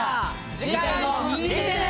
次回も見てね！